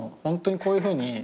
ホントにこういうふうに。